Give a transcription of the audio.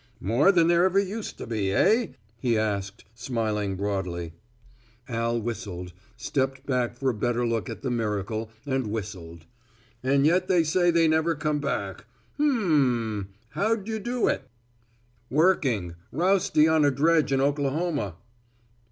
"More than there ever used to be, eh?" he asked, smiling broadly. Al whistled, stepped back for a better look at the miracle, and whistled. "And yet they say they never come back. Hm m m how'd you do it?" "Working. Rousty on a dredge in Oklahoma."